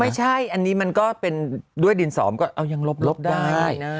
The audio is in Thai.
ไม่ใช่อันนี้มันก็เป็นด้วยดินสอมก็ยังลบได้